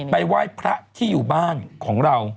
ไหว้พระที่อยู่บ้านของเรา